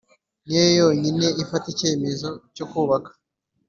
ni yo yonyine ifata icyemezo cyo kubaka